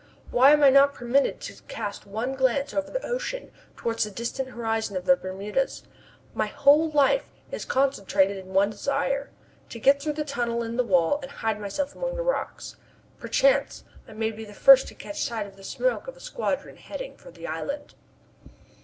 Why am I not permitted to cast one glance over the ocean towards the distant horizon of the Bermudas? My whole life is concentrated in one desire: to get through the tunnel in the wall and hide myself among the rocks. Perchance I might be the first to catch sight of the smoke of a squadron heading for the island.